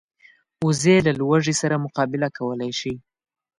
وزې له لوږې سره مقابله کولی شي